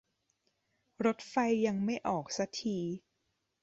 รถไฟยังไม่ออกซะที